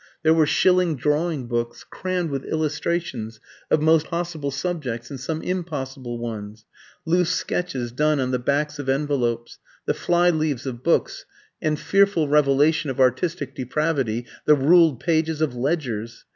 There were shilling drawing books crammed with illustrations of most possible subjects and some impossible ones; loose sketches done on the backs of envelopes, the fly leaves of books, and (fearful revelation of artistic depravity!) the ruled pages of ledgers.